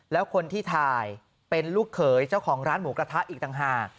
แล้วคนที่ถ่ายเป็นลูกเขยเจ้าของร้านหมูกระทะอีกต่างหาก